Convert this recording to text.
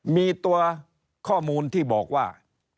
มีตัวข้อมูลที่บอกว่า